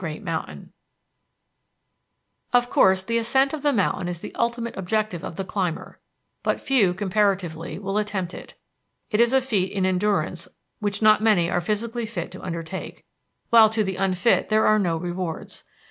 Barnes_ MOUNT ADAMS SEEN FROM MOUNT RAINIER PARK] Of course the ascent of the mountain is the ultimate objective of the climber, but few, comparatively, will attempt it. It is a feat in endurance which not many are physically fit to undertake, while to the unfit there are no rewards.